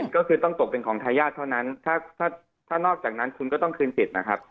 ก็คือต้องตกเป็นของทายาทเท่านั้นถ้านอกจากนั้นคุณก็ต้องคืนสิทธิ์นะครับ